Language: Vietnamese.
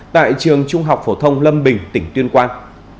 tại trường trung học phổ thông lâm bình tỉnh tuyên quang